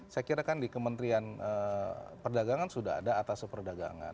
saya kira kan di kementerian perdagangan sudah ada atas perdagangan